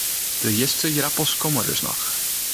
De hjitste ierappels komme dus noch.